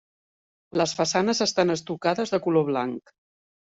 Les façanes estan estucades de color blanc.